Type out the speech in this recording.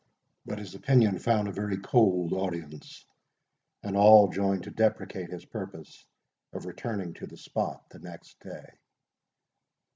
But his opinion found a very cold audience, and all joined to deprecate his purpose of returning to the spot the next day.